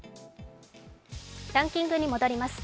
ランキングに戻ります。